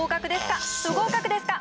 合格ですか？